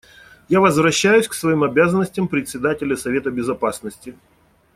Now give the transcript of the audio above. Я возвращаюсь к своим обязанностям Председателя Совета Безопасности.